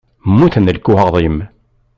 Mmuten lekwaɣeḍ-im?